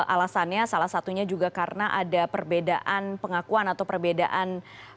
alasannya salah satunya juga karena ada perbedaan pengakuan atau perbedaan